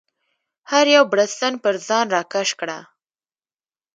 هر یو بړستن پر ځان راکش کړه.